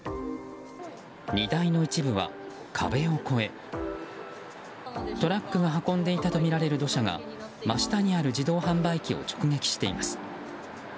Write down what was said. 荷台の一部は壁を越えトラックが運んでいたとみられる土砂が真下にある自動販売機を直撃しています。